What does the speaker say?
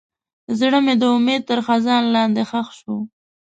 زړه مې د امید تر خزان لاندې ښخ شو.